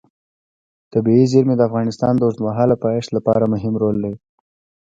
طبیعي زیرمې د افغانستان د اوږدمهاله پایښت لپاره مهم رول لري.